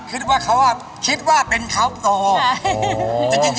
คิดว่าเขาอ่ะคิดว่าเป็นเขาตัว